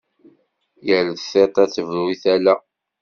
Yal tiṭ ad tebru i tala.